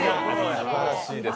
すばらしいです。